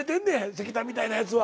石炭みたいなやつは。